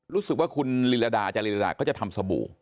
รู้สึกว่าคุณลีลาดาอาจารลิดาก็จะทำสบู่